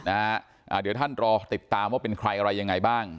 เดี๋ยวท่านรอติดตามว่าเป็นใครอะไรยังไงบ้าง